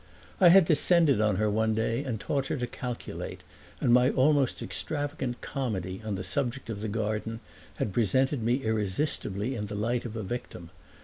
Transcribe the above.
I had descended on her one day and taught her to calculate, and my almost extravagant comedy on the subject of the garden had presented me irresistibly in the light of a victim.